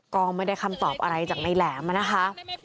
ก็ไม่ได้คำตอบอะไรจากในแหลมนะคะ